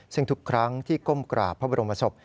ซึ่งทุกครั้งที่ก้มกราบพระบรมศพ